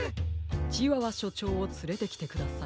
チワワしょちょうをつれてきてください。